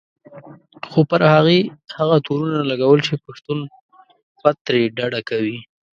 خو پر هغې هغه تورونه لګول چې پښتون پت ترې ډډه کوي.